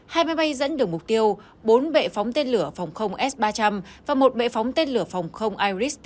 hai máy bay dẫn đường mục tiêu bốn bệ phóng tên lửa phòng không s ba trăm linh và một bệ phóng tên lửa phòng không iris